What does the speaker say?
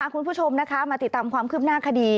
คุณผู้ชมนะคะมาติดตามความคืบหน้าคดี